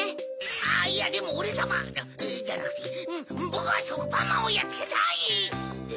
あいやでもオレさまじゃなくてぼくはしょくぱんまんをやっつけたい！え？